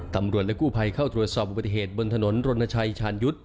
ตำรวจและกู้ภัยเข้าตรวจสอบอุบัติเหตุบนถนนรณชัยชาญยุทธ์